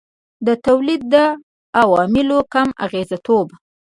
د تولید د عواملو کم اغېزمنتوب.